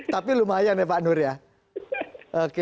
tapi lumayan ya pak nur ya